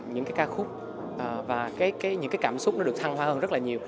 những cái ca khúc và những cái cảm xúc nó được thăng hoa hơn rất là nhiều